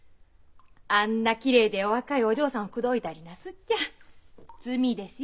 あんな綺麗でお若いお嬢さんを口説いたりなすっちゃ罪ですよ。